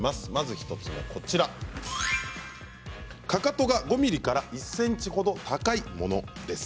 １つ目は、かかとが５ｍｍから１ｃｍほど高いものです。